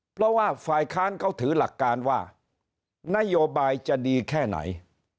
เพราะว่าฝ่ายค้านเขาถือหลักการว่านโยบายจะดีแค่ไหน